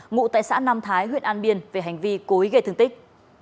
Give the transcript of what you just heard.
ngụ tại xã nam thái huyện an biên về hành vi cố ý gây thương tích